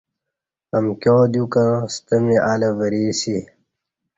امکیاں دیوکہ ستہ می الہ وری اسی